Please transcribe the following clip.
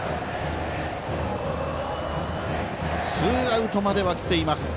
ツーアウトまではきています。